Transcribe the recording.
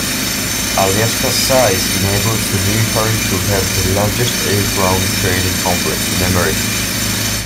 Alaska's size enables the military to have the largest air-ground training complex in America.